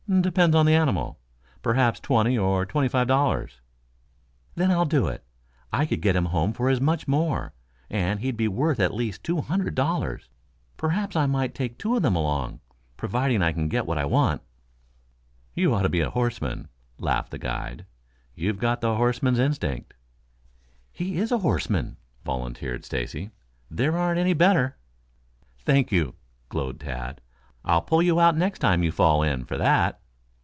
"Depends on the animal. Perhaps twenty or twenty five dollars." "Then, I'll do it. I could get him home for as much more, and he'd be worth at least two hundred dollars. Perhaps I might take two of them along, providing I can get what I want." "You ought to be a horseman," laughed the guide. "You've got the horseman's instinct." "He is a horseman," volunteered Stacy. "There aren't any better." "Thank you," glowed Tad. "I'll pull you out next time you fall in, for that."